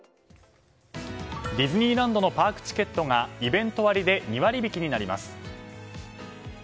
ディズニーランドのパークチケットがイベント割で２割引きになります。